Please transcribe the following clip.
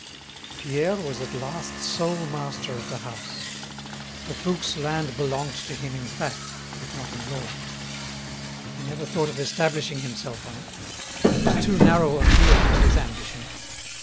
Pierre was at last sole master of the house. The Fouques' land belonged to him in fact, if not in law. He never thought of establishing himself on it. It was too narrow a field for his ambition.